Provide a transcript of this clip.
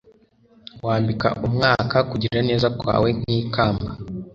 Wambika umwaka kugira neza kwawe nkikamba